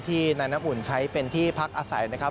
นายน้ำอุ่นใช้เป็นที่พักอาศัยนะครับ